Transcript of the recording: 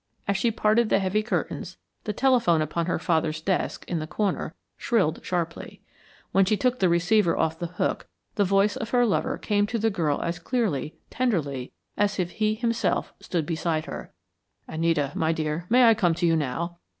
As she parted the heavy curtains, the telephone upon her father's desk, in the corner, shrilled sharply. When she took the receiver off the hook, the voice of her lover came to the girl as clearly, tenderly, as if he, himself, stood beside her. "Anita, dear, may I come to you now?"